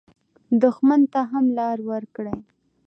دښمن ته هم لار ورکړئ